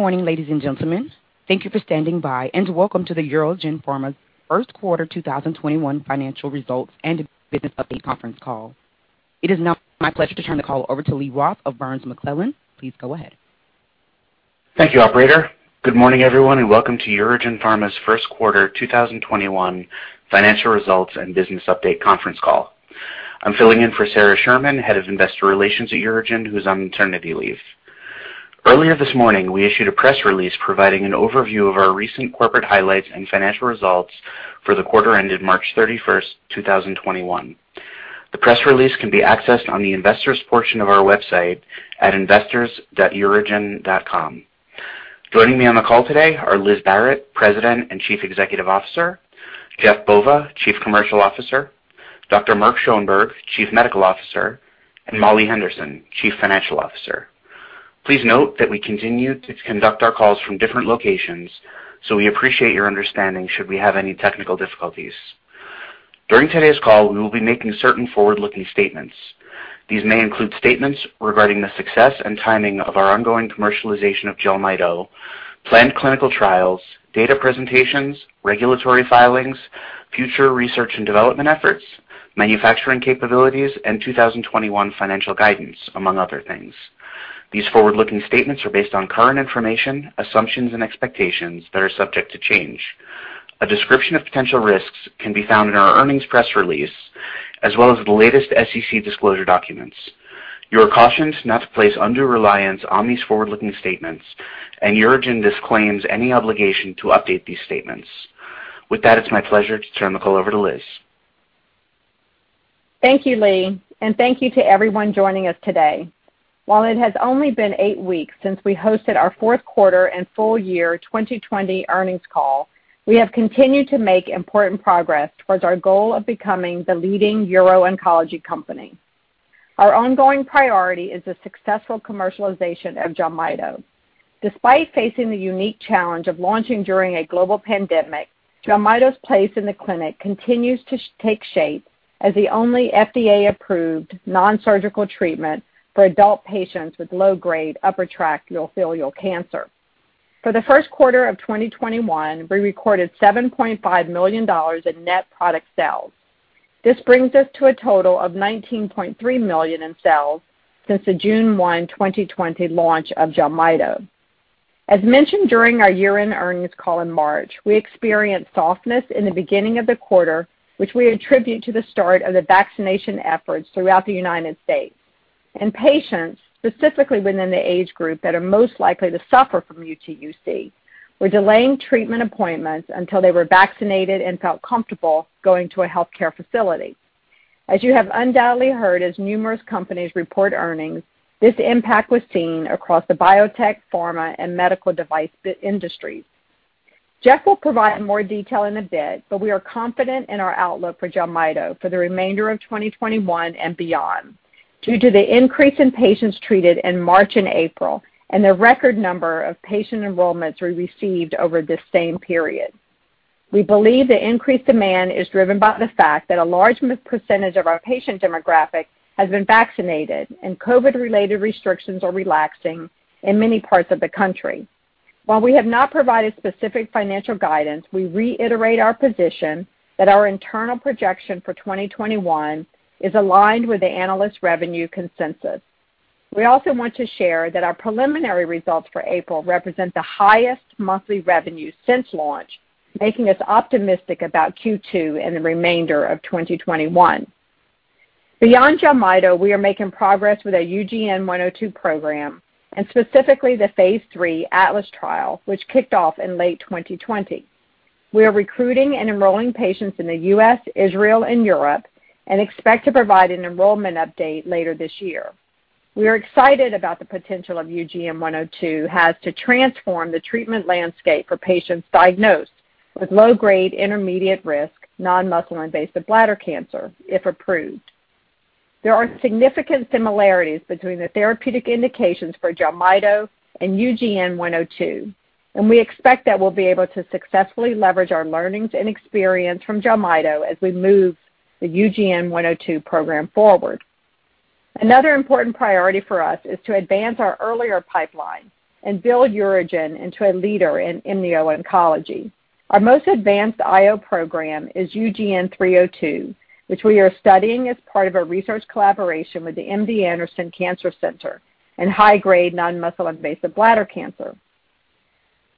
Good morning, ladies and gentlemen. Thank you for standing by, and welcome to the UroGen Pharma's first quarter 2021 financial results and business update conference call. It is now my pleasure to turn the call over to Lee Roth of Burns McClellan. Please go ahead. Thank you, operator. Good morning, everyone, and welcome to UroGen Pharma's first quarter 2021 financial results and business update conference call. I'm filling in for Sara Blum Sherman, Head of Investor Relations at UroGen, who's on maternity leave. Earlier this morning, we issued a press release providing an overview of our recent corporate highlights and financial results for the quarter ended March 31st 2021. The press release can be accessed on the investors' portion of our website at investors.urogen.com. Joining me on the call today are Liz Barrett, President and Chief Executive Officer, Jeff Bova, Chief Commercial Officer, Dr. Mark Schoenberg, Chief Medical Officer, and Molly Henderson, Chief Financial Officer. Please note that we continue to conduct our calls from different locations, so we appreciate your understanding should we have any technical difficulties. During today's call, we will be making certain forward-looking statements. These may include statements regarding the success and timing of our ongoing commercialization of JELMYTO, planned clinical trials, data presentations, regulatory filings, future research and development efforts, manufacturing capabilities, and 2021 financial guidance, among other things. These forward-looking statements are based on current information, assumptions, and expectations that are subject to change. A description of potential risks can be found in our earnings press release, as well as the latest SEC disclosure documents. You are cautioned not to place undue reliance on these forward-looking statements, and UroGen disclaims any obligation to update these statements. With that, it's my pleasure to turn the call over to Liz. Thank you, Lee, and thank you to everyone joining us today. While it has only been eight weeks since we hosted our fourth quarter and full year 2020 earnings call, we have continued to make important progress towards our goal of becoming the leading uro-oncology company. Our ongoing priority is the successful commercialization of JELMYTO. Despite facing the unique challenge of launching during a global pandemic, JELMYTO's place in the clinic continues to take shape as the only FDA-approved non-surgical treatment for adult patients with low-grade upper tract urothelial cancer. For the first quarter of 2021, we recorded $7.5 million in net product sales. This brings us to a total of $19.3 million in sales since the June 1, 2020, launch of JELMYTO. As mentioned during our year-end earnings call in March, we experienced softness in the beginning of the quarter, which we attribute to the start of the vaccination efforts throughout the U.S. Patients, specifically within the age group that are most likely to suffer from UTUC, were delaying treatment appointments until they were vaccinated and felt comfortable going to a healthcare facility. As you have undoubtedly heard as numerous companies report earnings, this impact was seen across the biotech, pharma, and medical device industries. Jeff will provide more detail in a bit, but we are confident in our outlook for JELMYTO for the remainder of 2021 and beyond due to the increase in patients treated in March and April and the record number of patient enrollments we received over this same period. We believe the increased demand is driven by the fact that a large percentage of our patient demographic has been vaccinated and COVID-related restrictions are relaxing in many parts of the country. While we have not provided specific financial guidance, we reiterate our position that our internal projection for 2021 is aligned with the analyst revenue consensus. We also want to share that our preliminary results for April represent the highest monthly revenue since launch, making us optimistic about Q2 and the remainder of 2021. Beyond JELMYTO, we are making progress with our UGN-102 program and specifically the phase III ATLAS trial, which kicked off in late 2020. We are recruiting and enrolling patients in the U.S., Israel, and Europe, and expect to provide an enrollment update later this year. We are excited about the potential of UGN-102 has to transform the treatment landscape for patients diagnosed with low-grade intermediate-risk non-muscle invasive bladder cancer, if approved. There are significant similarities between the therapeutic indications for JELMYTO and UGN-102, and we expect that we'll be able to successfully leverage our learnings and experience from JELMYTO as we move the UGN-102 program forward. Another important priority for us is to advance our earlier pipeline and build UroGen into a leader in immuno-oncology. Our most advanced IO program is UGN-302, which we are studying as part of a research collaboration with the MD Anderson Cancer Center in high-grade non-muscle invasive bladder cancer.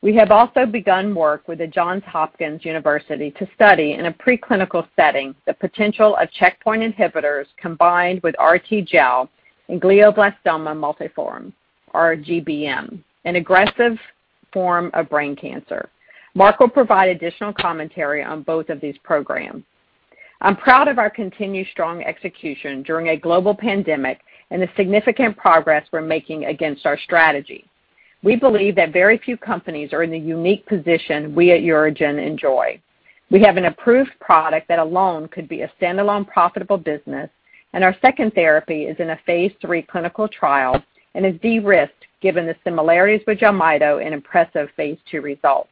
We have also begun work with the Johns Hopkins University to study, in a pre-clinical setting, the potential of checkpoint inhibitors combined with RTGel in glioblastoma multiforme or GBM, an aggressive form of brain cancer. Mark will provide additional commentary on both of these programs. I'm proud of our continued strong execution during a global pandemic and the significant progress we're making against our strategy. We believe that very few companies are in the unique position we at UroGen enjoy. We have an approved product that alone could be a standalone profitable business, and our second therapy is in a phase III clinical trial and is de-risked given the similarities with JELMYTO in impressive phase II results.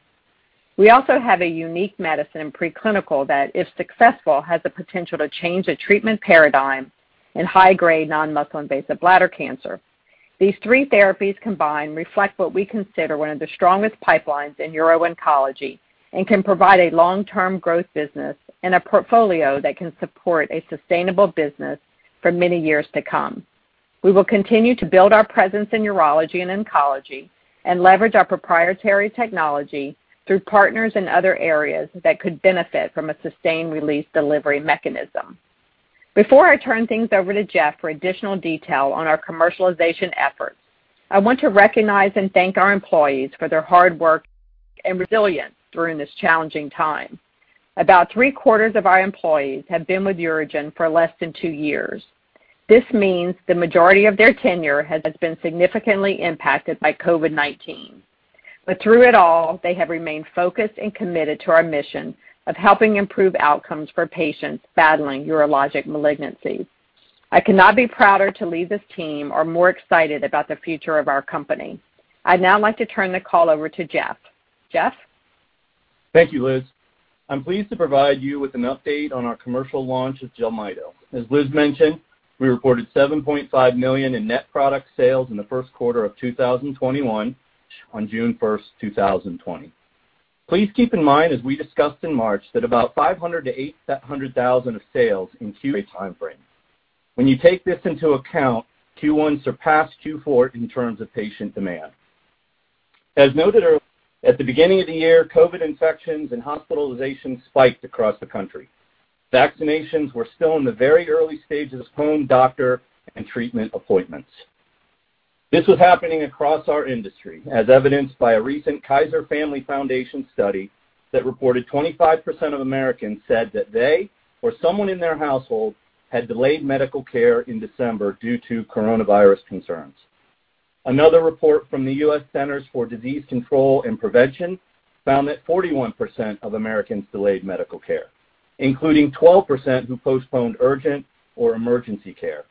We also have a unique medicine in preclinical that, if successful, has the potential to change the treatment paradigm in high-grade non-muscle invasive bladder cancer. These three therapies combined reflect what we consider one of the strongest pipelines in uro-oncology and can provide a long-term growth business and a portfolio that can support a sustainable business for many years to come. We will continue to build our presence in urology and oncology and leverage our proprietary technology through partners in other areas that could benefit from a sustained-release delivery mechanism. Before I turn things over to Jeff for additional detail on our commercialization efforts, I want to recognize and thank our employees for their hard work and resilience during this challenging time. About three-quarters of our employees have been with UroGen for less than two years. This means the majority of their tenure has been significantly impacted by COVID-19. Through it all, they have remained focused and committed to our mission of helping improve outcomes for patients battling urologic malignancies. I could not be prouder to lead this team or more excited about the future of our company. I'd now like to turn the call over to Jeff. Jeff? Thank you, Liz. I'm pleased to provide you with an update on our commercial launch of JELMYTO. As Liz mentioned, we reported $7.5 million in net product sales in the first quarter of 2021 on June 1st, 2020. Please keep in mind, as we discussed in March, that about $500,000-$800,000 of sales in Q4 timeframe. When you take this into account, Q1 surpassed Q4 in terms of patient demand. As noted earlier, at the beginning of the year, COVID infections and hospitalizations spiked across the country. Vaccinations were still in the very early stages of home doctor, and treatment appointments. This was happening across our industry, as evidenced by a recent Kaiser Family Foundation study that reported 25% of Americans said that they or someone in their household had delayed medical care in December due to coronavirus concerns. Another report from the U.S. Centers for Disease Control and Prevention found that 41% of Americans delayed medical care, including 12% who postponed urgent or emergency care.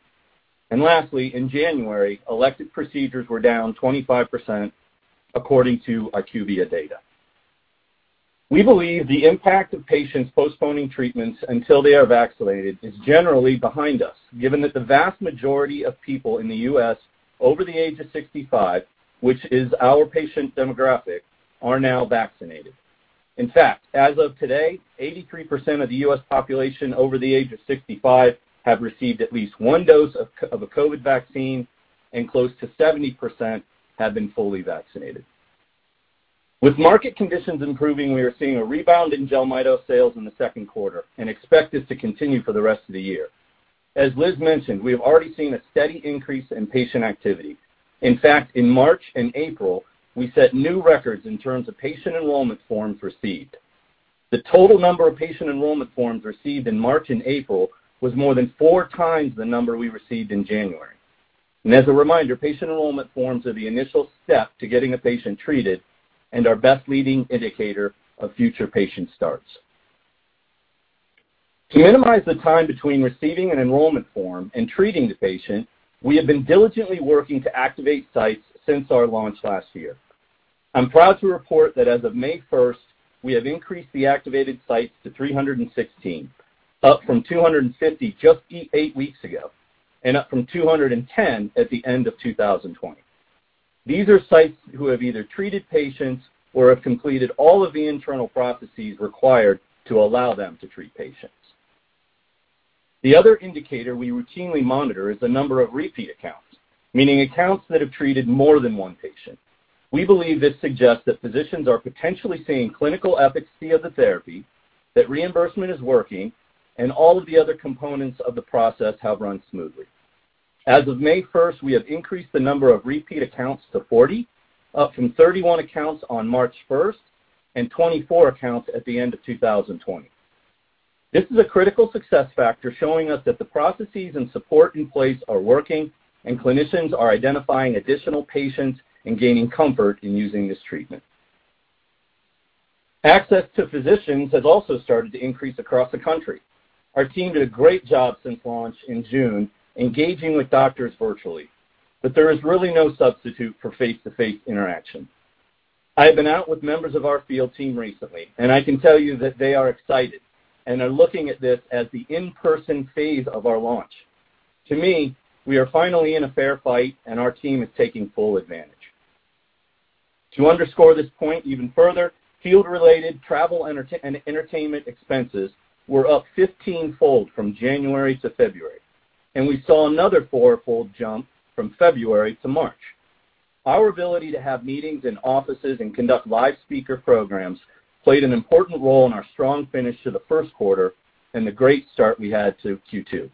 Lastly, in January, elective procedures were down 25% according to IQVIA data. We believe the impact of patients postponing treatments until they are vaccinated is generally behind us, given that the vast majority of people in the U.S. over the age of 65, which is our patient demographic, are now vaccinated. In fact, as of today, 83% of the U.S. population over the age of 65 have received at least one dose of a COVID vaccine, and close to 70% have been fully vaccinated. With market conditions improving, we are seeing a rebound in JELMYTO sales in the second quarter and expect this to continue for the rest of the year. As Liz mentioned, we have already seen a steady increase in patient activity. In March and April, we set new records in terms of patient enrollment forms received. The total number of patient enrollment forms received in March and April was more than four times the number we received in January. As a reminder, patient enrollment forms are the initial step to getting a patient treated and our best leading indicator of future patient starts. To minimize the time between receiving an enrollment form and treating the patient, we have been diligently working to activate sites since our launch last year. I'm proud to report that as of May 1st, we have increased the activated sites to 316, up from 250 just eight weeks ago and up from 210 at the end of 2020. These are sites who have either treated patients or have completed all of the internal processes required to allow them to treat patients. The other indicator we routinely monitor is the number of repeat accounts, meaning accounts that have treated more than one patient. We believe this suggests that physicians are potentially seeing clinical efficacy of the therapy, that reimbursement is working, and all of the other components of the process have run smoothly. As of May 1st, we have increased the number of repeat accounts to 40, up from 31 accounts on March 1st and 24 accounts at the end of 2020. This is a critical success factor showing us that the processes and support in place are working and clinicians are identifying additional patients and gaining comfort in using this treatment. Access to physicians has also started to increase across the country. Our team did a great job since launch in June, engaging with doctors virtually, but there is really no substitute for face-to-face interaction. I have been out with members of our field team recently, and I can tell you that they are excited and are looking at this as the in-person phase of our launch. To me, we are finally in a fair fight, and our team is taking full advantage. To underscore this point even further, field-related travel and entertainment expenses were up 15-fold from January to February, and we saw another fourfold jump from February to March. Our ability to have meetings in offices and conduct live speaker programs played an important role in our strong finish to the first quarter and the great start we had to Q2.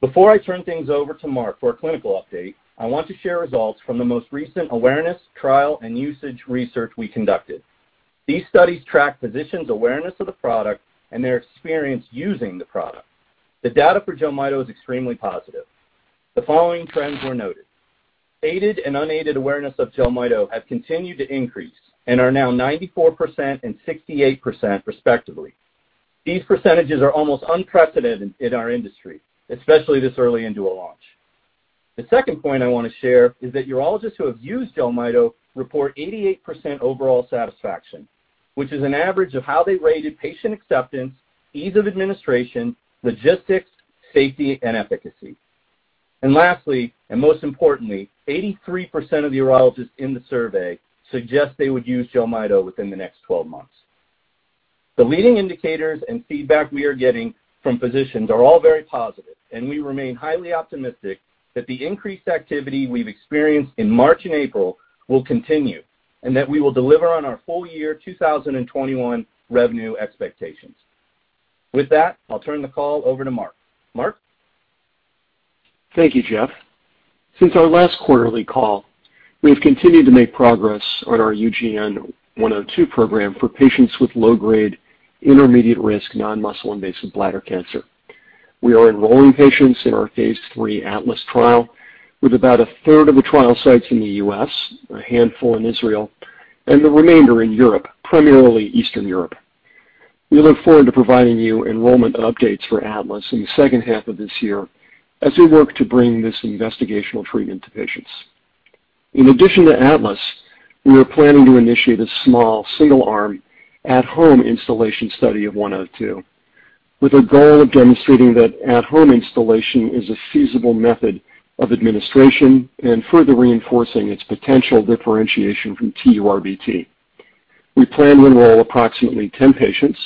Before I turn things over to Mark for a clinical update, I want to share results from the most recent awareness, trial, and usage research we conducted. These studies track physicians' awareness of the product and their experience using the product. The data for JELMYTO is extremely positive. The following trends were noted. Aided and unaided awareness of JELMYTO have continued to increase and are now 94% and 68%, respectively. These percentages are almost unprecedented in our industry, especially this early into a launch. The second point I want to share is that urologists who have used JELMYTO report 88% overall satisfaction, which is an average of how they rated patient acceptance, ease of administration, logistics, safety, and efficacy. Lastly, and most importantly, 83% of the urologists in the survey suggest they would use JELMYTO within the next 12 months. The leading indicators and feedback we are getting from physicians are all very positive, and we remain highly optimistic that the increased activity we've experienced in March and April will continue, and that we will deliver on our full year 2021 revenue expectations. With that, I'll turn the call over to Mark. Mark? Thank you, Jeff. Since our last quarterly call, we have continued to make progress on our UGN-102 program for patients with low-grade, intermediate-risk non-muscle invasive bladder cancer. We are enrolling patients in our phase III ATLAS trial with about a third of the trial sites in the U.S., a handful in Israel, and the remainder in Europe, primarily Eastern Europe. We look forward to providing you enrollment updates for ATLAS in the second half of this year as we work to bring this investigational treatment to patients. In addition to ATLAS, we are planning to initiate a small, single-arm, at-home instillation study of UGN-102, with a goal of demonstrating that at-home instillation is a feasible method of administration and further reinforcing its potential differentiation from TURBT. We plan to enroll approximately 10 patients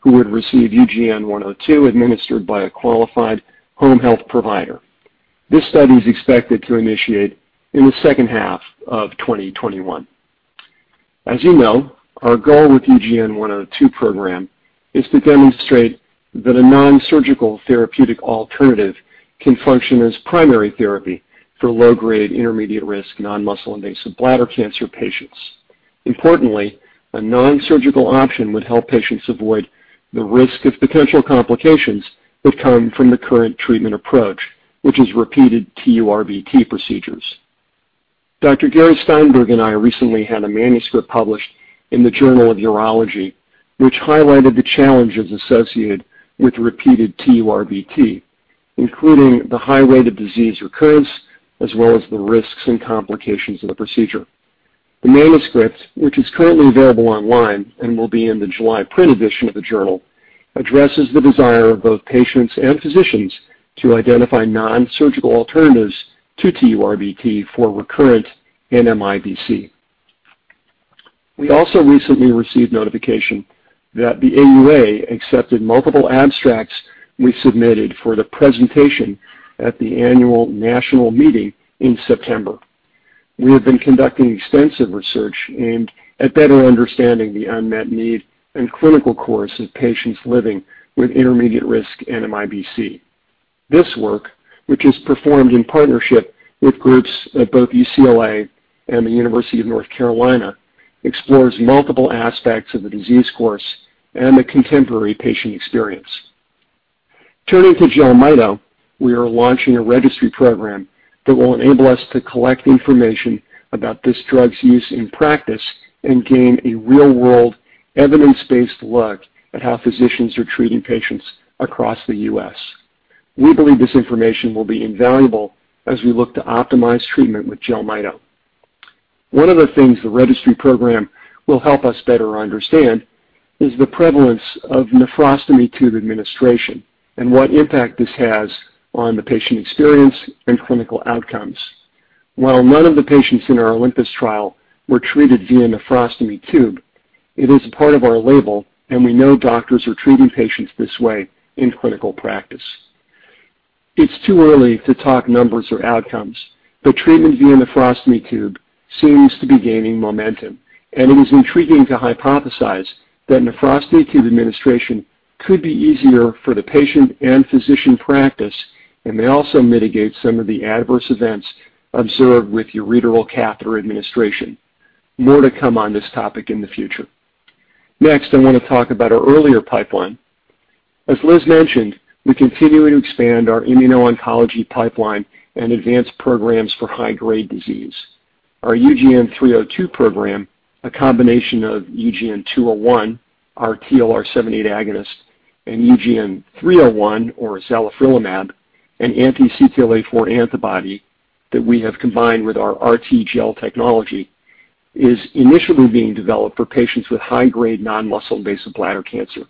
who would receive UGN-102 administered by a qualified home health provider. This study is expected to initiate in the second half of 2021. As you know, our goal with UGN-102 program is to demonstrate that a non-surgical therapeutic alternative can function as primary therapy for low-grade, intermediate-risk non-muscle invasive bladder cancer patients. Importantly, a non-surgical option would help patients avoid the risk of potential complications that come from the current treatment approach, which is repeated TURBT procedures. Dr. Gary Steinberg and I recently had a manuscript published in The Journal of Urology, which highlighted the challenges associated with repeated TURBT, including the high rate of disease recurrence, as well as the risks and complications of the procedure. The manuscript, which is currently available online and will be in the July print edition of the journal, addresses the desire of both patients and physicians to identify non-surgical alternatives to TURBT for recurrent NMIBC. We also recently received notification that the AUA accepted multiple abstracts we submitted for the presentation at the annual national meeting in September. We have been conducting extensive research aimed at better understanding the unmet need and clinical course of patients living with intermediate-risk NMIBC. This work, which is performed in partnership with groups at both UCLA and the University of North Carolina, explores multiple aspects of the disease course and the contemporary patient experience. Turning to JELMYTO, we are launching a registry program that will enable us to collect information about this drug's use in practice and gain a real-world, evidence-based look at how physicians are treating patients across the U.S. We believe this information will be invaluable as we look to optimize treatment with JELMYTO. One of the things the registry program will help us better understand is the prevalence of nephrostomy tube administration and what impact this has on the patient experience and clinical outcomes. While none of the patients in our OLYMPUS trial were treated via nephrostomy tube, it is a part of our label, and we know doctors are treating patients this way in clinical practice. It's too early to talk numbers or outcomes, but treatment via nephrostomy tube seems to be gaining momentum, and it is intriguing to hypothesize that nephrostomy tube administration could be easier for the patient and physician practice and may also mitigate some of the adverse events observed with ureteral catheter administration. More to come on this topic in the future. I want to talk about our earlier pipeline. As Liz mentioned, we continue to expand our immuno-oncology pipeline and advance programs for high-grade disease. Our UGN-302 program, a combination of UGN-201, our TLR7/8 agonist, and UGN-301 or zalifrelimab, an anti-CTLA-4 antibody that we have combined with our RTGel technology, is initially being developed for patients with high-grade non-muscle invasive bladder cancer.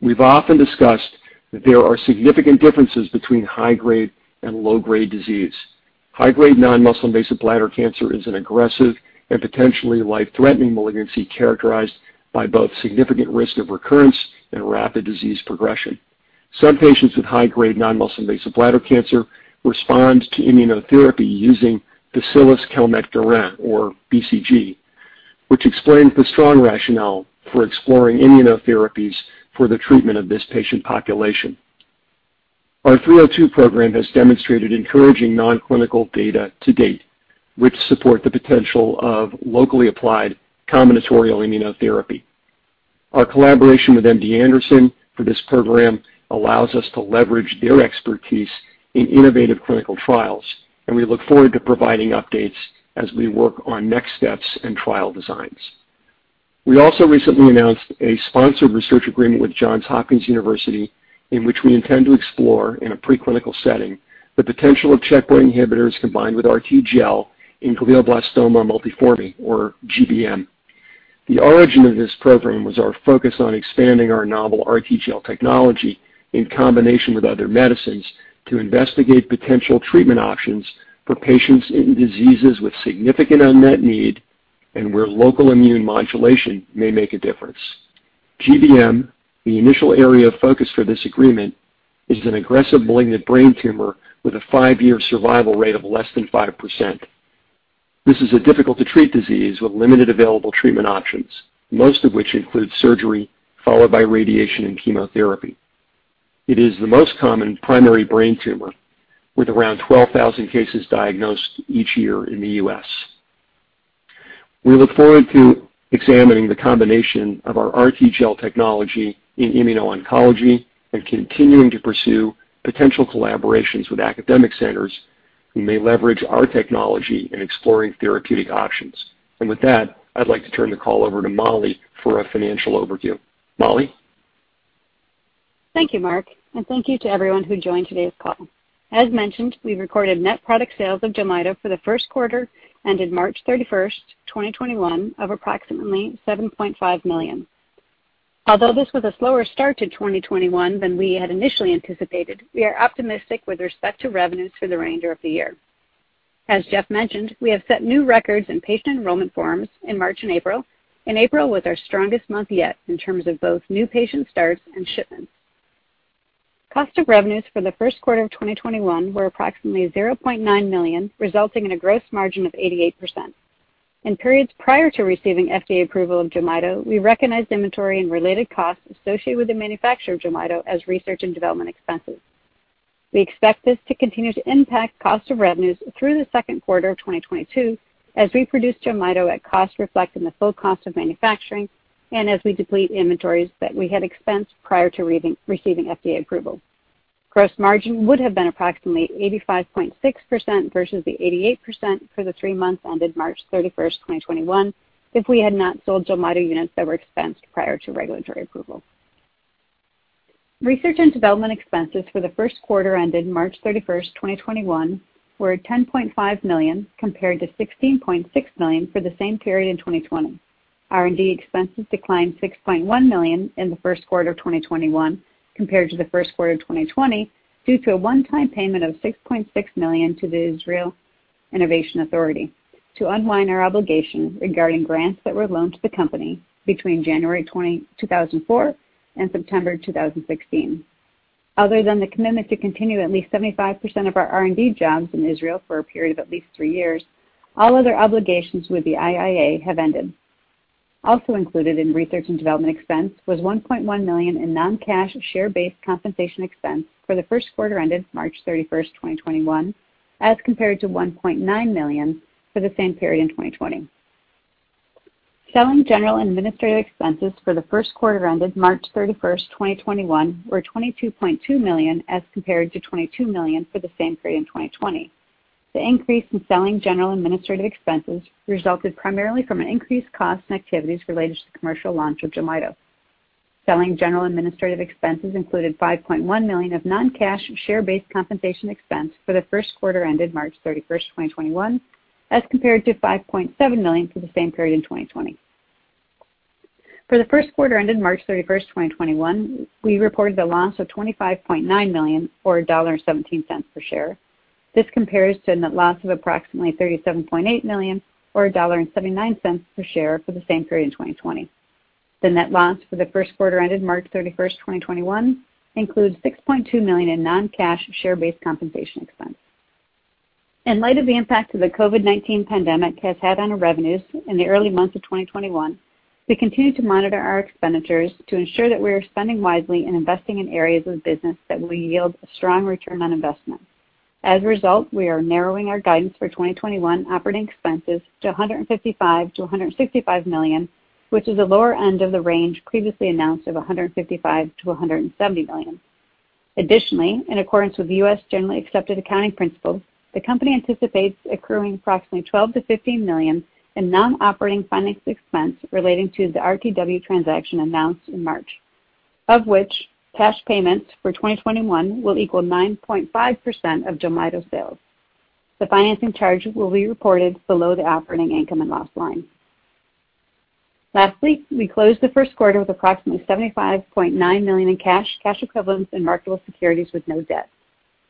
We've often discussed that there are significant differences between high-grade and low-grade disease. High-grade non-muscle invasive bladder cancer is an aggressive and potentially life-threatening malignancy characterized by both significant risk of recurrence and rapid disease progression. Some patients with high-grade non-muscle invasive bladder cancer respond to immunotherapy using Bacillus Calmette-Guérin, or BCG, which explains the strong rationale for exploring immunotherapies for the treatment of this patient population. Our 302 program has demonstrated encouraging non-clinical data to date, which support the potential of locally applied combinatorial immunotherapy. Our collaboration with MD Anderson for this program allows us to leverage their expertise in innovative clinical trials, and we look forward to providing updates as we work on next steps and trial designs. We also recently announced a sponsored research agreement with Johns Hopkins University, in which we intend to explore, in a preclinical setting, the potential of checkpoint inhibitors combined with RTGel in glioblastoma multiforme or GBM. The origin of this program was our focus on expanding our novel RTGel technology in combination with other medicines to investigate potential treatment options for patients in diseases with significant unmet need and where local immune modulation may make a difference. GBM, the initial area of focus for this agreement, is an aggressive malignant brain tumor with a five-year survival rate of less than 5%. This is a difficult-to-treat disease with limited available treatment options, most of which include surgery followed by radiation and chemotherapy. It is the most common primary brain tumor, with around 12,000 cases diagnosed each year in the U.S. We look forward to examining the combination of our RTGel technology in immuno-oncology and continuing to pursue potential collaborations with academic centers who may leverage our technology in exploring therapeutic options. With that, I'd like to turn the call over to Molly for a financial overview. Molly? Thank you, Mark, thank you to everyone who joined today's call. As mentioned, we recorded net product sales of JELMYTO for the first quarter ended March 31st, 2021, of approximately $7.5 million. Although this was a slower start to 2021 than we had initially anticipated, we are optimistic with respect to revenues for the remainder of the year. As Jeff mentioned, we have set new records in patient enrollment forms in March and April was our strongest month yet in terms of both new patient starts and shipments. Cost of revenues for the first quarter of 2021 were approximately $0.9 million, resulting in a gross margin of 88%. In periods prior to receiving FDA approval of JELMYTO, we recognized inventory and related costs associated with the manufacture of JELMYTO as research and development expenses. We expect this to continue to impact cost of revenues through the second quarter of 2022 as we produce JELMYTO at cost reflecting the full cost of manufacturing and as we deplete inventories that we had expensed prior to receiving FDA approval. Gross margin would have been approximately 85.6% versus the 88% for the three months ended March 31st, 2021, if we had not sold JELMYTO units that were expensed prior to regulatory approval. Research and development expenses for the first quarter ended March 31st, 2021, were $10.5 million compared to $16.6 million for the same period in 2020. R&D expenses declined $6.1 million in the first quarter of 2021 compared to the first quarter of 2020 due to a one-time payment of $6.6 million to the Israel Innovation Authority to unwind our obligations regarding grants that were loaned to the company between January 20, 2004, and September 2016. Other than the commitment to continue at least 75% of our R&D jobs in Israel for a period of at least three years, all other obligations with the IIA have ended. Also included in research and development expense was $1.1 million in non-cash share-based compensation expense for the first quarter ended March 31st, 2021, as compared to $1.9 million for the same period in 2020. Selling general administrative expenses for the first quarter ended March 31st, 2021, were $22.2 million as compared to $22 million for the same period in 2020. The increase in selling general administrative expenses resulted primarily from an increased cost in activities related to the commercial launch of JELMYTO. Selling general administrative expenses included $5.1 million of non-cash share-based compensation expense for the first quarter ended March 31st, 2021, as compared to $5.7 million for the same period in 2020. For the first quarter ended March 31st, 2021, we reported a loss of $25.9 million, or $1.17 per share. This compares to a net loss of approximately $37.8 million or $1.79 per share for the same period in 2020. The net loss for the first quarter ended March 31st, 2021, includes $6.2 million in non-cash share-based compensation expense. In light of the impact the COVID-19 pandemic has had on our revenues in the early months of 2021, we continue to monitor our expenditures to ensure that we are spending wisely and investing in areas of the business that will yield a strong return on investment. As a result, we are narrowing our guidance for 2021 operating expenses to $155 million-$165 million, which is the lower end of the range previously announced of $155 million-$170 million. Additionally, in accordance with U.S. Generally Accepted Accounting Principles, the company anticipates accruing approximately $12 million-$15 million in non-operating financing expense relating to the RTW transaction announced in March, of which cash payments for 2021 will equal 9.5% of JELMYTO sales. The financing charge will be reported below the operating income and loss line. Lastly, we closed the first quarter with approximately $75.9 million in cash equivalents, and marketable securities with no debt.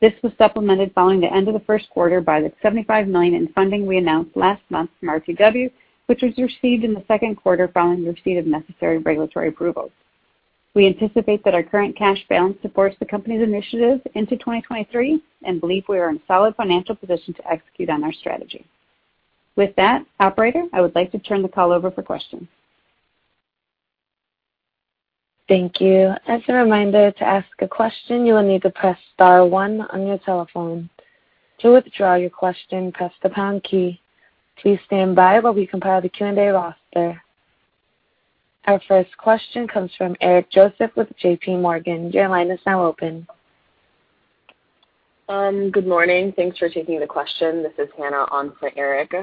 This was supplemented following the end of the first quarter by the $75 million in funding we announced last month from RTW, which was received in the second quarter following receipt of necessary regulatory approvals. We anticipate that our current cash balance supports the company's initiatives into 2023 and believe we are in a solid financial position to execute on our strategy. With that, operator, I would like to turn the call over for questions. Thank you. Our first question comes from Eric Joseph with JPMorgan. Your line is now open Good morning. Thanks for taking the question. This is Hannah on for Eric.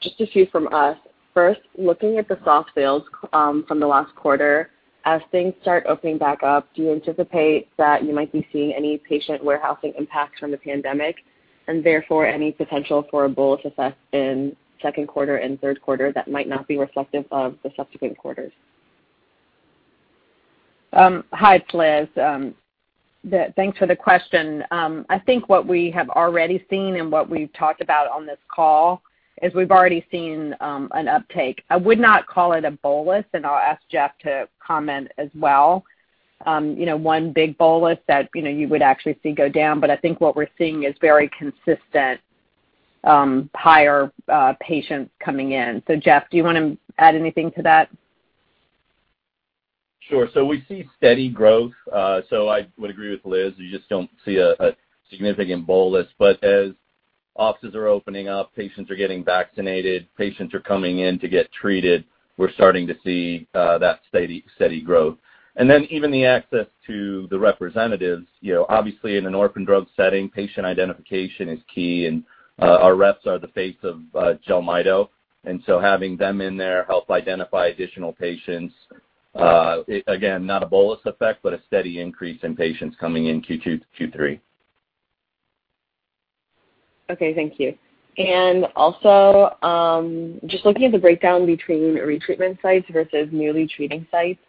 Just a few from us. First, looking at the soft sales from the last quarter, as things start opening back up, do you anticipate that you might be seeing any patient warehousing impacts from the pandemic, and therefore any potential for a bolus effect in second quarter and third quarter that might not be reflective of the subsequent quarters? Hi, it's Liz. Thanks for the question. I think what we have already seen and what we've talked about on this call is we've already seen an uptake. I would not call it a bolus, and I'll ask Jeff to comment as well. One big bolus that you would actually see go down, but I think what we're seeing is very consistent, higher patients coming in. Jeff, do you want to add anything to that? Sure. We see steady growth. I would agree with Liz. You just don't see a significant bolus. As offices are opening up, patients are getting vaccinated, patients are coming in to get treated, we're starting to see that steady growth. Even the access to the representatives. Obviously, in an orphan drug setting, patient identification is key, and our reps are the face of JELMYTO. Having them in there help identify additional patients. Again, not a bolus effect, but a steady increase in patients coming in Q2 to Q3. Okay, thank you. Also, just looking at the breakdown between retreatment sites versus newly treating sites,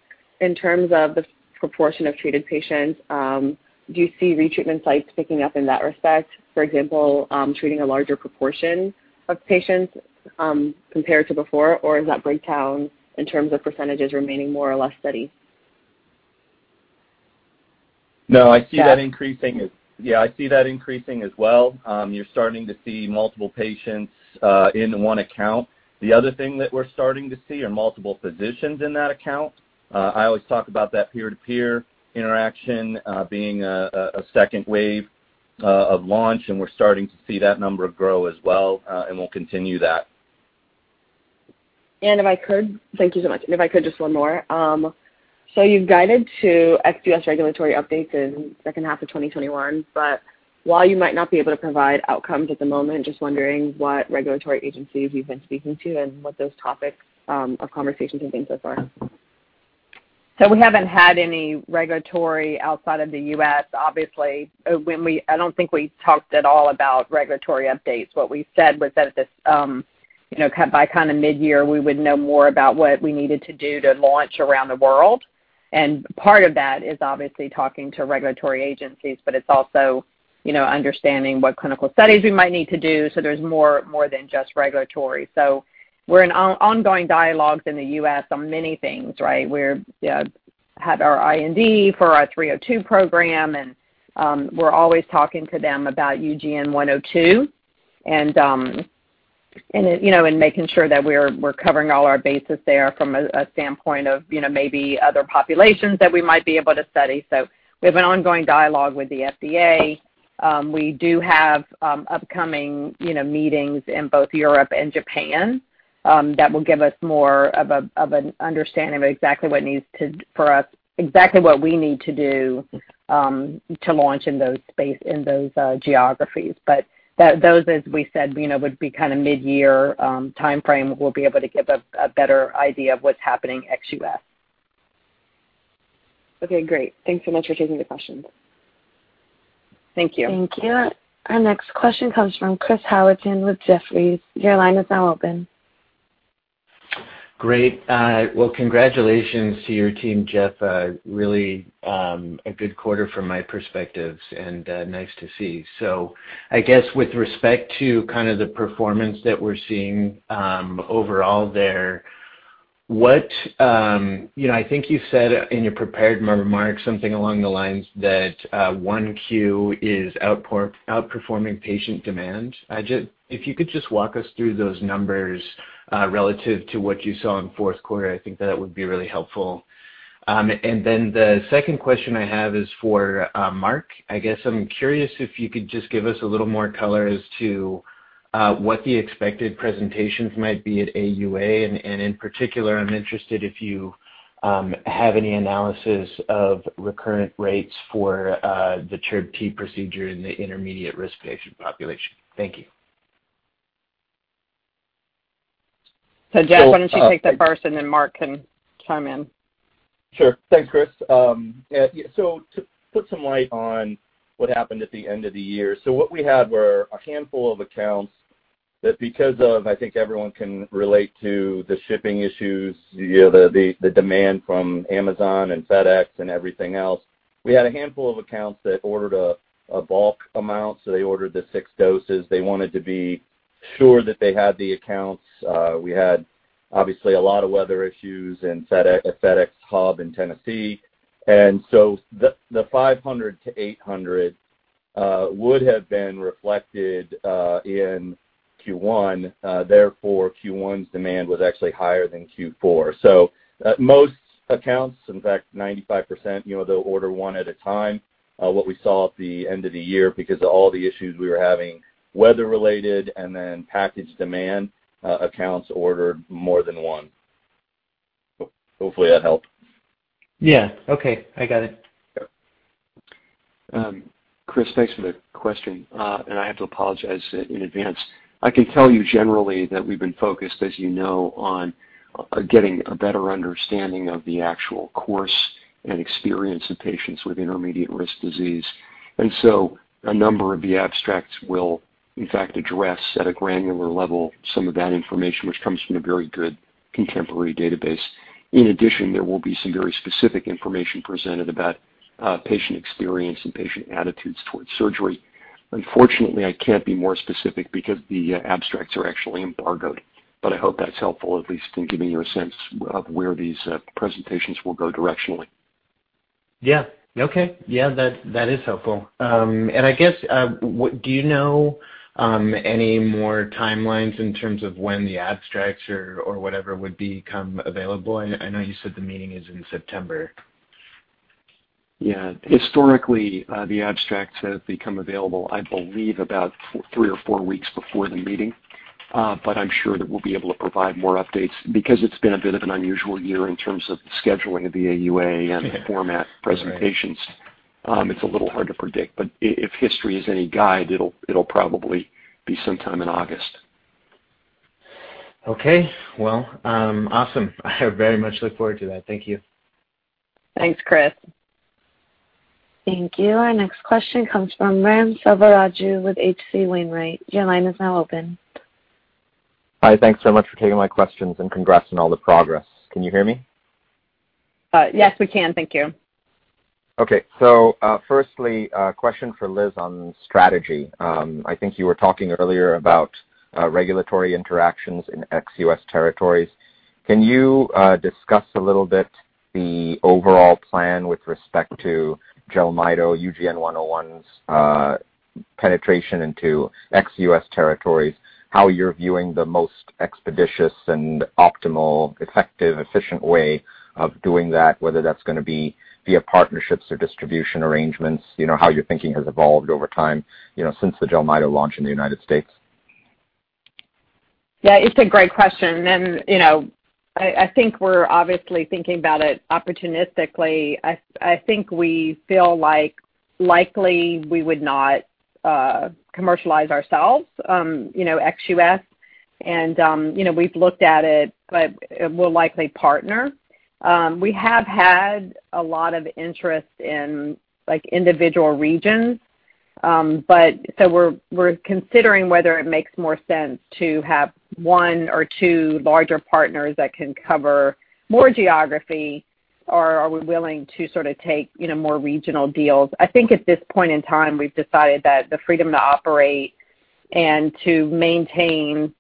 in terms of the proportion of treated patients, do you see retreatment sites picking up in that respect? For example, treating a larger proportion of patients compared to before, or is that breakdown in terms of % remaining more or less steady? I see that increasing as well. You're starting to see multiple patients in one account. The other thing that we're starting to see are multiple physicians in that account. I always talk about that peer-to-peer interaction being a second wave of launch, and we're starting to see that number grow as well. We'll continue that. If I could, thank you so much. If I could, just one more. You've guided to ex-U.S. regulatory updates in second half of 2021, but while you might not be able to provide outcomes at the moment, just wondering what regulatory agencies you've been speaking to and what those topics of conversations have been so far. We haven't had any regulatory outside of the U.S. Obviously, I don't think we talked at all about regulatory updates. What we said was that by mid-year, we would know more about what we needed to do to launch around the world. Part of that is obviously talking to regulatory agencies, but it's also understanding what clinical studies we might need to do. There's more than just regulatory. We're in ongoing dialogues in the U.S. on many things, right? We had our IND for our UGN-302 program, and we're always talking to them about UGN-102 and making sure that we're covering all our bases there from a standpoint of maybe other populations that we might be able to study. We have an ongoing dialogue with the FDA. We do have upcoming meetings in both Europe and Japan that will give us more of an understanding of exactly what we need to do to launch in those geographies. Those, as we said, would be mid-year timeframe. We'll be able to give a better idea of what's happening ex-U.S. Okay, great. Thanks so much for taking the questions. Thank you. Thank you. Our next question comes from Chris Howerton with Jefferies. Your line is now open. Great. Well, congratulations to your team, Jeff. Really a good quarter from my perspective and nice to see. I guess with respect to the performance that we're seeing overall there, I think you said in your prepared remarks something along the lines that 1Q is outperforming patient demand. If you could just walk us through those numbers relative to what you saw in fourth quarter, I think that would be really helpful. Then the second question I have is for Mark. I guess I'm curious if you could just give us a little more color as to what the expected presentations might be at AUA. In particular, I'm interested if you have any analysis of recurrent rates for the TURBT procedure in the intermediate risk patient population. Thank you. Jeff, why don't you take that first, and then Mark can chime in. Sure. Thanks, Chris. To put some light on what happened at the end of the year. What we had were a handful of accounts that because of, I think everyone can relate to the shipping issues, the demand from Amazon and FedEx and everything else. We had a handful of accounts that ordered a bulk amount. They ordered the six doses. They wanted to be sure that they had the accounts. We had obviously a lot of weather issues in FedEx hub in Tennessee, the 500-800 would have been reflected in Q1, therefore Q1's demand was actually higher than Q4. Most accounts, in fact 95%, they'll order one at a time. What we saw at the end of the year, because of all the issues we were having, weather related and then package demand, accounts ordered more than one. Hopefully that helped. Yeah. Okay, I got it. Chris, thanks for the question. I have to apologize in advance. I can tell you generally that we've been focused, as you know, on getting a better understanding of the actual course and experience of patients with intermediate-risk disease. A number of the abstracts will in fact address, at a granular level, some of that information, which comes from a very good contemporary database. In addition, there will be some very specific information presented about patient experience and patient attitudes towards surgery. Unfortunately, I can't be more specific because the abstracts are actually embargoed. I hope that's helpful, at least in giving you a sense of where these presentations will go directionally. Yeah. Okay. Yeah, that is helpful. I guess, do you know any more timelines in terms of when the abstracts or whatever would become available? I know you said the meeting is in September. Yeah. Historically, the abstracts have become available, I believe, about three or four weeks before the meeting. I'm sure that we'll be able to provide more updates. It's been a bit of an unusual year in terms of the scheduling of the AUA and the format presentations. It's a little hard to predict. If history is any guide, it'll probably be sometime in August. Okay. Well, awesome. I very much look forward to that. Thank you. Thanks, Chris. Thank you. Our next question comes from Ram Selvaraju with H.C. Wainwright. Your line is now open. Hi. Thanks so much for taking my questions, and congrats on all the progress. Can you hear me? Yes, we can. Thank you. Okay. Firstly, a question for Liz on strategy. I think you were talking earlier about regulatory interactions in ex-U.S. territories. Can you discuss a little bit the overall plan with respect to JELMYTO, UGN-101's penetration into ex-U.S. territories, how you're viewing the most expeditious and optimal, effective, efficient way of doing that, whether that's going to be via partnerships or distribution arrangements, how your thinking has evolved over time since the JELMYTO launch in the United States? Yeah, it's a great question. We're obviously thinking about it opportunistically. We feel like likely we would not commercialize ourselves ex-U.S., and we've looked at it, but we'll likely partner. We have had a lot of interest in individual regions. We're considering whether it makes more sense to have one or two larger partners that can cover more geography, or are we willing to sort of take more regional deals. At this point in time, we've decided that the freedom to operate and to maintain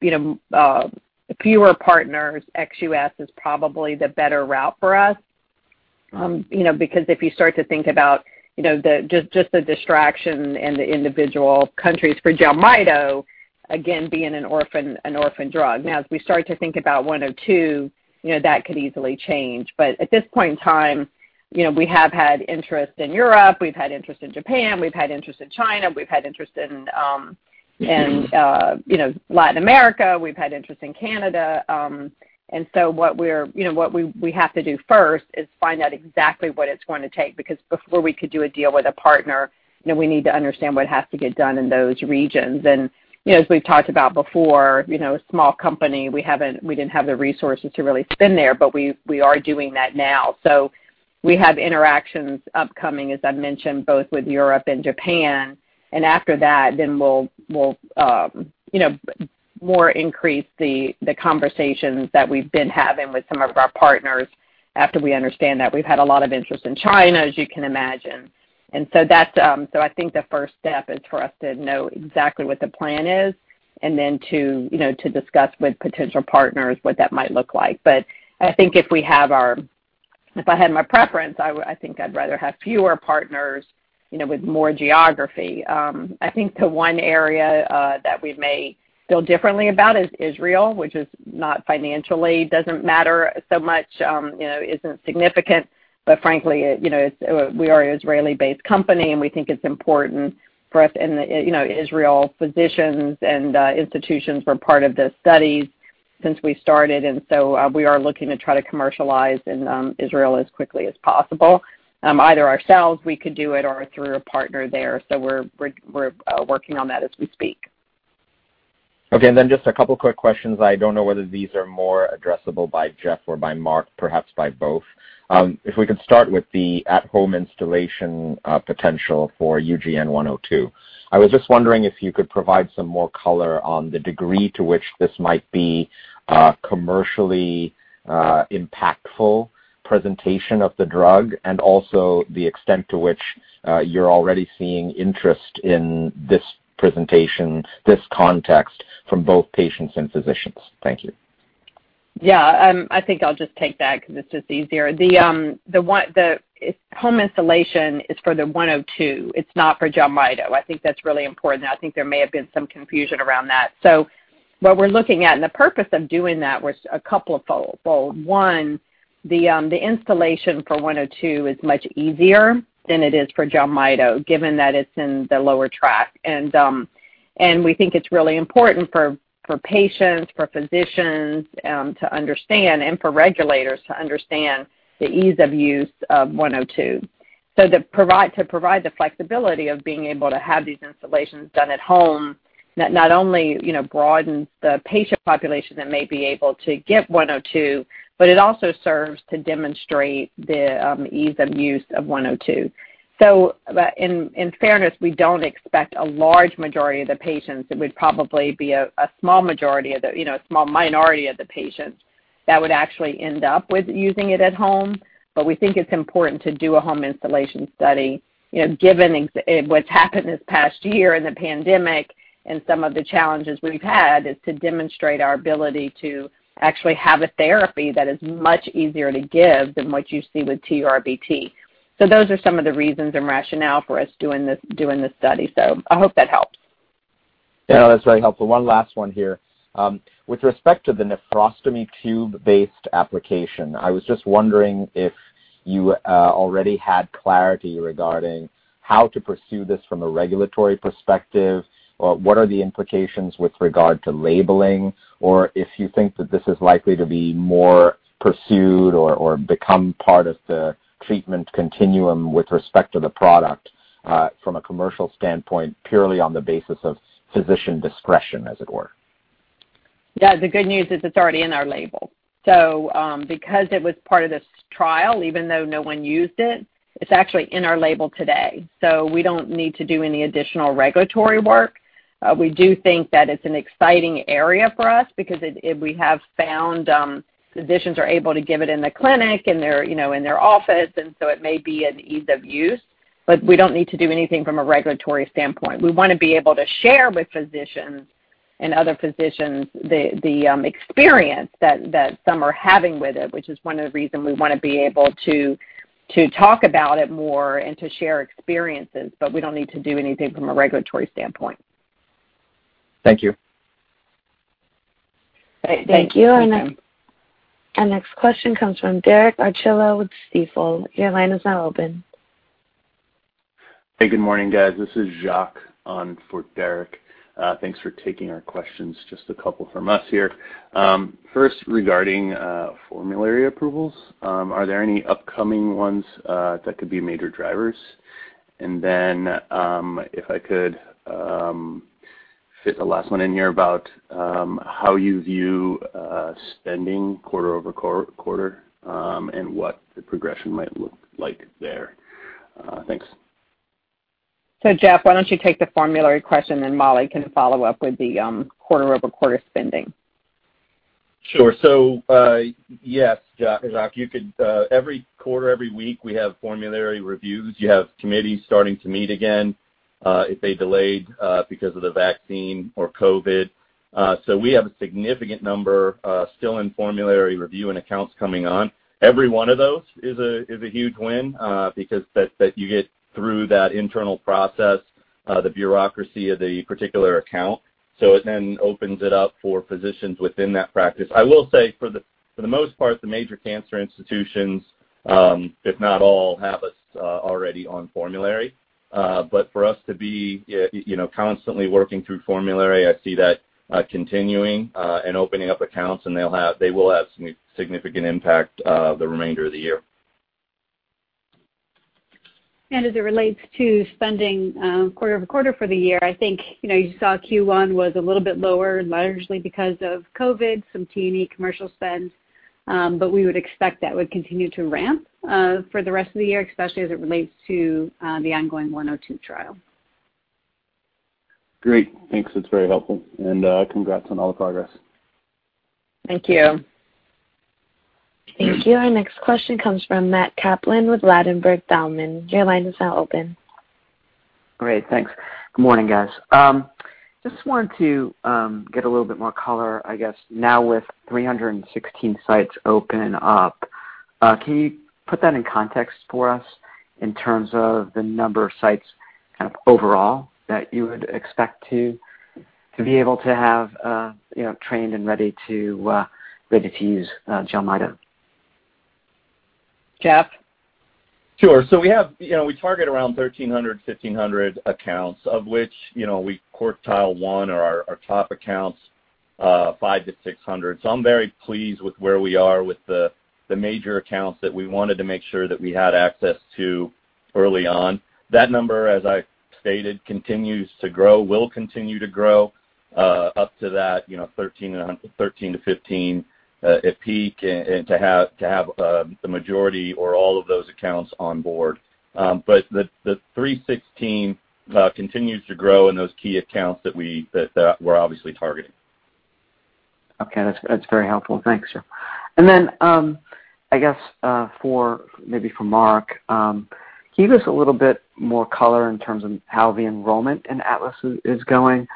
fewer partners ex-U.S. is probably the better route for us. If you start to think about just the distraction and the individual countries for JELMYTO, again, being an orphan drug. As we start to think about UGN-102, that could easily change. At this point in time, we have had interest in Europe, we've had interest in Japan, we've had interest in China, we've had interest in Latin America, we've had interest in Canada. What we have to do first is find out exactly what it's going to take, because before we could do a deal with a partner, we need to understand what has to get done in those regions. As we've talked about before, small company, we didn't have the resources to really spend there, but we are doing that now. We have interactions upcoming, as I've mentioned, both with Europe and Japan. After that, then we'll more increase the conversations that we've been having with some of our partners after we understand that. We've had a lot of interest in China, as you can imagine. I think the first step is for us to know exactly what the plan is and then to discuss with potential partners what that might look like. I think if I had my preference, I think I'd rather have fewer partners with more geography. I think the one area that we may feel differently about is Israel, which financially doesn't matter so much, isn't significant. Frankly, we are an Israeli-based company, and we think it's important for us, and Israel physicians and institutions were part of the studies since we started. We are looking to try to commercialize in Israel as quickly as possible. Either ourselves, we could do it, or through a partner there. We're working on that as we speak. Okay, just a couple of quick questions. I don't know whether these are more addressable by Jeff or by Mark, perhaps by both. If we could start with the at-home installation potential for UGN-102. I was just wondering if you could provide some more color on the degree to which this might be a commercially impactful presentation of the drug, and also the extent to which you're already seeing interest in this presentation, this context, from both patients and physicians. Thank you. Yeah. I think I'll just take that because it's just easier. The home instillation is for the UGN-102. It's not for JELMYTO. I think that's really important, and I think there may have been some confusion around that. What we're looking at, and the purpose of doing that was a couple of fold. One, the instillation for UGN-102 is much easier than it is for JELMYTO, given that it's in the lower tract. We think it's really important for patients, for physicians to understand, and for regulators to understand the ease of use of UGN-102. To provide the flexibility of being able to have these instillations done at home, not only broadens the patient population that may be able to get UGN-102, but it also serves to demonstrate the ease of use of UGN-102. In fairness, we don't expect a large majority of the patients. It would probably be a small minority of the patients that would actually end up with using it at home. We think it's important to do a home instillation study, given what's happened this past year in the pandemic and some of the challenges we've had, is to demonstrate our ability to actually have a therapy that is much easier to give than what you see with TURBT. Those are some of the reasons and rationale for us doing this study. I hope that helps. Yeah, that's very helpful. One last one here. With respect to the nephrostomy tube-based application, I was just wondering if you already had clarity regarding how to pursue this from a regulatory perspective, or what are the implications with regard to labeling, or if you think that this is likely to be more pursued or become part of the treatment continuum with respect to the product, from a commercial standpoint, purely on the basis of physician discretion, as it were? The good news is it's already in our label. Because it was part of this trial, even though no one used it's actually in our label today. We don't need to do any additional regulatory work. We do think that it's an exciting area for us because we have found physicians are able to give it in the clinic, in their office, it may be an ease of use. We don't need to do anything from a regulatory standpoint. We want to be able to share with physicians and other physicians the experience that some are having with it, which is one of the reasons we want to be able to talk about it more and to share experiences. We don't need to do anything from a regulatory standpoint. Thank you. Thank you. Great. Thank you. Our next question comes from Derek Archila with Stifel. Your line is now open. Hey, good morning, guys. This is Jacques on for Derek. Thanks for taking our questions. Just a couple from us here. First, regarding formulary approvals, are there any upcoming ones that could be major drivers? If I could fit the last one in here about how you view spending quarter-over-quarter and what the progression might look like there. Thanks. Jeff, why don't you take the formulary question, and Molly can follow up with the quarter-over-quarter spending. Sure. Yes, Jacques, every quarter, every week, we have formulary reviews. You have committees starting to meet again, if they delayed because of the vaccine or COVID. We have a significant number still in formulary review and accounts coming on. Every one of those is a huge win, because that you get through that internal process, the bureaucracy of the particular account. It then opens it up for physicians within that practice. I will say for the most part, the major cancer institutions, if not all, have us already on formulary. For us to be constantly working through formulary, I see that continuing and opening up accounts, and they will have some significant impact the remainder of the year. As it relates to spending quarter-over-quarter for the year, I think you saw Q1 was a little bit lower, largely because of COVID, some T&E commercial spend. We would expect that would continue to ramp for the rest of the year, especially as it relates to the ongoing 102 trial. Great. Thanks. That's very helpful. Congrats on all the progress. Thank you. Thank you. Our next question comes from Matt Kaplan with Ladenburg Thalmann. Your line is now open. Great, thanks. Good morning, guys. Just wanted to get a little bit more color, I guess now with 316 sites open up, can you put that in context for us in terms of the number of sites kind of overall that you would expect to be able to have trained and ready to use JELMYTO? Jeff? Sure. We target around 1,300, 1,500 accounts, of which we quartile one or our top accounts five to 600. I'm very pleased with where we are with the major accounts that we wanted to make sure that we had access to early on. That number, as I stated, continues to grow, will continue to grow up to that 13-15 at peak and to have the majority or all of those accounts on board. The 316 continues to grow in those key accounts that we're obviously targeting. Okay. That's very helpful. Thanks, Jeff. I guess maybe for Mark, can you give us a little bit more color in terms of how the enrollment in ATLAS is going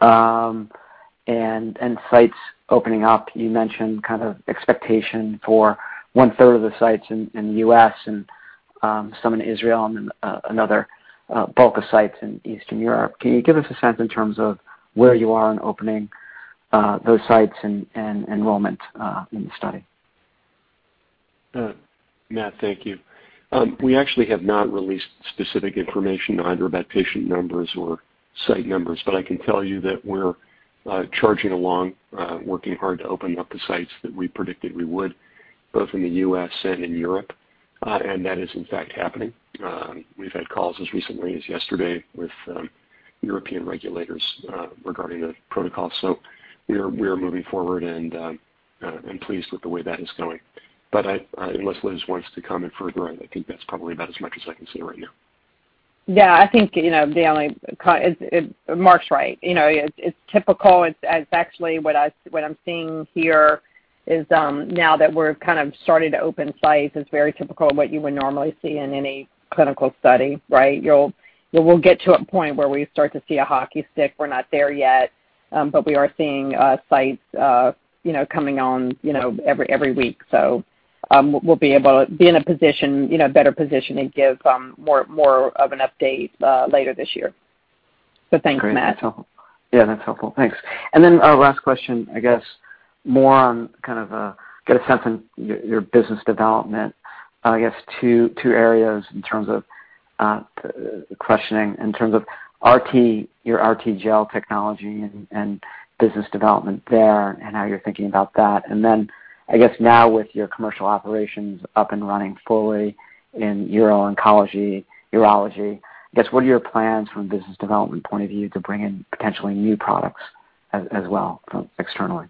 and sites opening up? You mentioned kind of expectation for one-third of the sites in the U.S. and some in Israel and another bulk of sites in Eastern Europe. Can you give us a sense in terms of where you are in opening those sites and enrollment in the study? Matt, thank you. We actually have not released specific information either about patient numbers or site numbers, I can tell you that we're charging along, working hard to open up the sites that we predicted we would, both in the U.S. and in Europe. That is in fact happening. We've had calls as recently as yesterday with European regulators regarding the protocol. We are moving forward and pleased with the way that is going. Unless Liz wants to comment further on it, I think that's probably about as much as I can say right now. Yeah, I think Mark's right. It's typical. It's actually what I'm seeing here is now that we're kind of starting to open sites, it's very typical of what you would normally see in any clinical study. Right? We'll get to a point where we start to see a hockey stick. We're not there yet. We are seeing sites coming on every week. We'll be in a better position to give more of an update later this year. Thanks, Matt. Great. That's helpful. Yeah, that's helpful. Thanks. Our last question, I guess more on kind of get a sense in your business development, I guess two areas in terms of questioning, in terms of your RTGel technology and business development there and how you're thinking about that. Now, I guess with your commercial operations up and running fully in uro-oncology, urology, I guess, what are your plans from a business development point of view to bring in potentially new products as well from externally?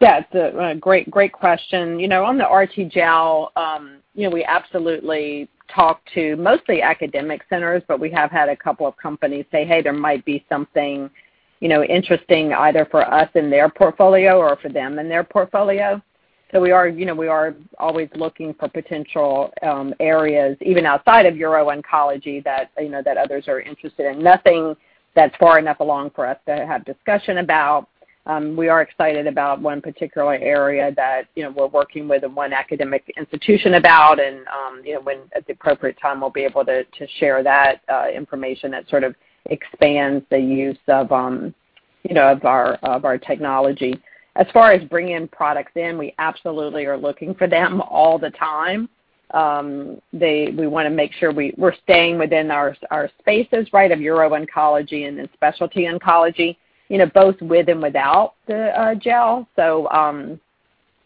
Yeah. Great question. On the RTGel we absolutely talk to mostly academic centers, but we have had a couple of companies say, hey, there might be something interesting either for us in their portfolio or for them in their portfolio. We are always looking for potential areas, even outside of uro-oncology that others are interested in. Nothing that's far enough along for us to have discussion about. We are excited about one particular area that we're working with and one academic institution about. At the appropriate time, we'll be able to share that information that sort of expands the use of our technology. As far as bringing products in, we absolutely are looking for them all the time. We want to make sure we're staying within our spaces of uro-oncology and in specialty oncology both with and without the gel.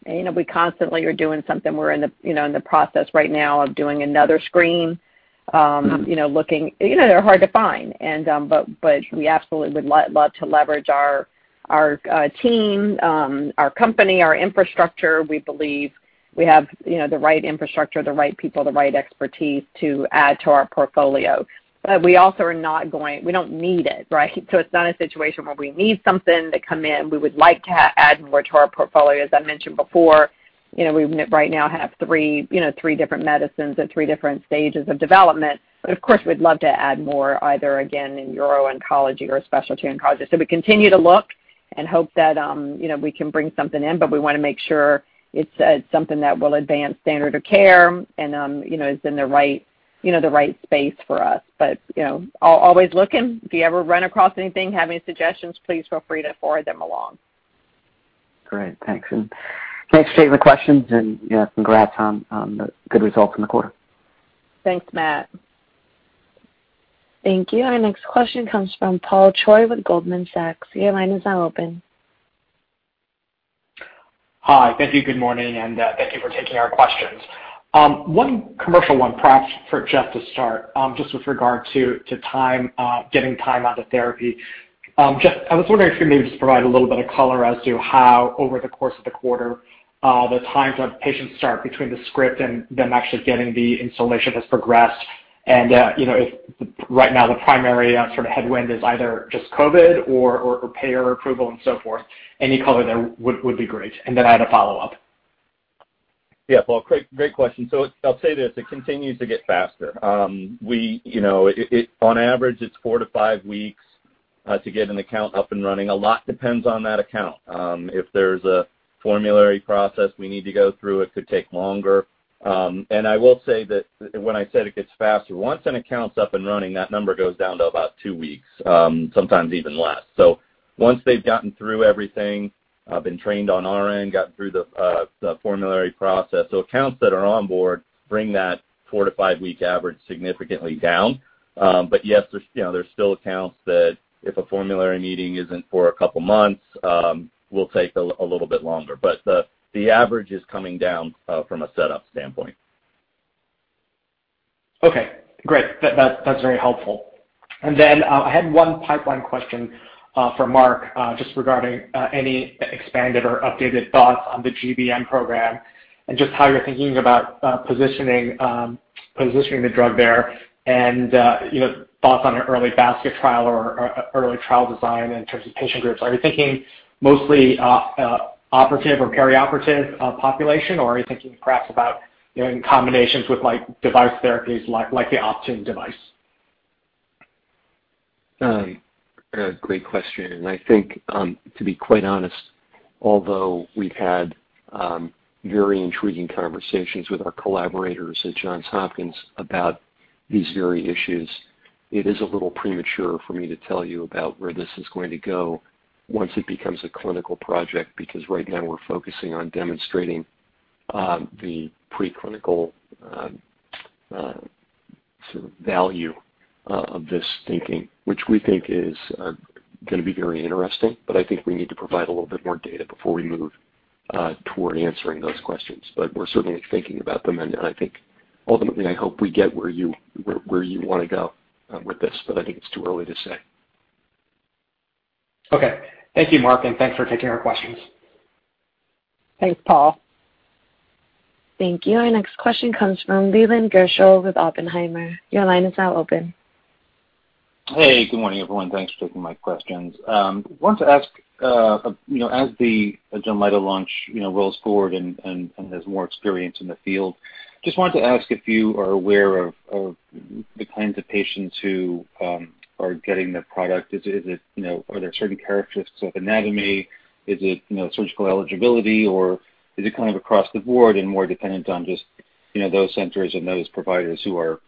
We constantly are doing something. We're in the process right now of doing another screen. They're hard to find. We absolutely would love to leverage our team, our company, our infrastructure. We believe we have the right infrastructure, the right people, the right expertise to add to our portfolio. We also don't need it, right? It's not a situation where we need something to come in. We would like to add more to our portfolio. As I mentioned before, we right now have three different medicines at three different stages of development. Of course, we'd love to add more, either again, in uro-oncology or specialty oncology. We continue to look and hope that we can bring something in, but we want to make sure it's something that will advance standard of care and is in the right space for us. Always looking. If you ever run across anything, have any suggestions, please feel free to forward them along. Great. Thanks. Thanks for taking the questions and congrats on the good results in the quarter. Thanks, Matt. Thank you. Our next question comes from Paul Choi with Goldman Sachs. Your line is now open. Hi. Thank you. Good morning. Thank you for taking our questions. One commercial one, perhaps for Jeff to start, just with regard to getting time onto therapy. Jeff, I was wondering if you maybe just provide a little bit of color as to how, over the course of the quarter, the times when patients start between the script and them actually getting the instillation has progressed. If right now the primary sort of headwind is either just COVID or payer approval and so forth. Any color there would be great. Then I had a follow-up. Yeah. Paul, great question. I'll say this, it continues to get faster. On average, it's four to five weeks to get an account up and running. A lot depends on that account. If there's a formulary process we need to go through, it could take longer. I will say that when I said it gets faster, once an account's up and running, that number goes down to about two weeks, sometimes even less. Once they've gotten through everything, been trained on our end, gotten through the formulary process, accounts that are on board bring that four to five-week average significantly down. Yes, there's still accounts that if a formulary meeting isn't for a couple of months will take a little bit longer. The average is coming down from a setup standpoint. Okay, great. That's very helpful. Then, I had one pipeline question for Mark, just regarding any expanded or updated thoughts on the GBM program and just how you're thinking about positioning the drug there and thoughts on an early basket trial or early trial design in terms of patient groups. Are you thinking mostly operative or perioperative population, or are you thinking perhaps about in combinations with device therapies like the Optune device? Great question. I think, to be quite honest, although we've had very intriguing conversations with our collaborators at Johns Hopkins about these very issues, it is a little premature for me to tell you about where this is going to go once it becomes a clinical project, because right now we're focusing on demonstrating the preclinical value of this thinking, which we think is going to be very interesting, but I think we need to provide a little bit more data before we move toward answering those questions. We're certainly thinking about them. I think ultimately, I hope we get where you want to go with this, but I think it's too early to say. Okay. Thank you, Mark, and thanks for taking our questions. Thanks, Paul. Thank you. Our next question comes from Leland Gershell with Oppenheimer. Your line is now open. Hey, good morning, everyone. Thanks for taking my questions. Wanted to ask, as the JELMYTO launch rolls forward and has more experience in the field, just wanted to ask if you are aware of the kinds of patients who are getting the product. Are there certain characteristics of anatomy? Is it surgical eligibility, or is it kind of across the board and more dependent on just those centers and those providers who are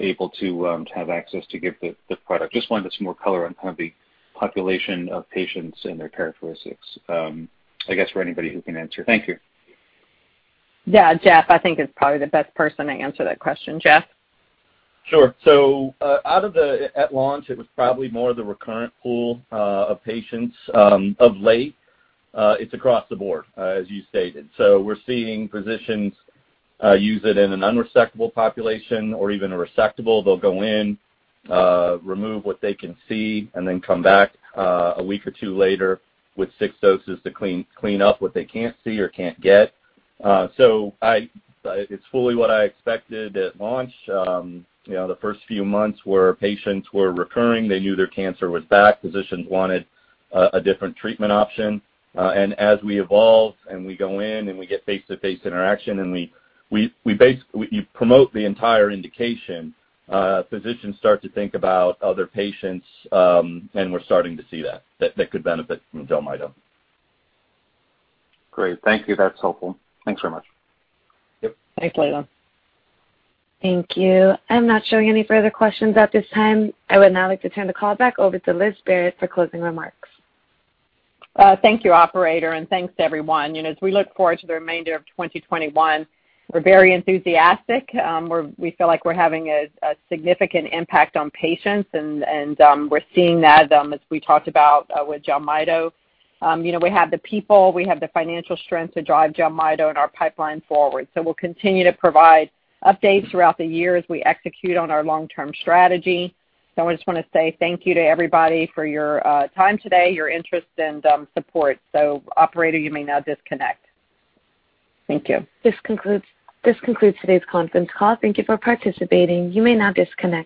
able to have access to give the product? Just wanted some more color on kind of the population of patients and their characteristics, I guess for anybody who can answer. Thank you. Yeah, Jeff, I think is probably the best person to answer that question. Jeff? Sure. At launch, it was probably more the recurrent pool of patients. Of late, it's across the board, as you stated. We're seeing physicians use it in an unresectable population or even a resectable. They'll go in, remove what they can see, and then come back a week or two later with six doses to clean up what they can't see or can't get. It's fully what I expected at launch. The first few months where patients were recurring, they knew their cancer was back. Physicians wanted a different treatment option. As we evolve and we go in and we get face-to-face interaction, and you promote the entire indication, physicians start to think about other patients, and we're starting to see that could benefit from JELMYTO. Great. Thank you. That's helpful. Thanks very much. Yep. Thanks, Leland. Thank you. I'm not showing any further questions at this time. I would now like to turn the call back over to Liz Barrett for closing remarks. Thank you, operator, and thanks to everyone. As we look forward to the remainder of 2021, we're very enthusiastic. We feel like we're having a significant impact on patients, and we're seeing that as we talked about with JELMYTO. We have the people, we have the financial strength to drive JELMYTO and our pipeline forward. We'll continue to provide updates throughout the year as we execute on our long-term strategy. I just want to say thank you to everybody for your time today, your interest and support. Operator, you may now disconnect. Thank you. This concludes today's conference call. Thank you for participating. You may now disconnect.